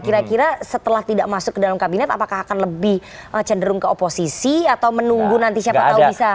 kira kira setelah tidak masuk ke dalam kabinet apakah akan lebih cenderung ke oposisi atau menunggu nanti siapa tahu bisa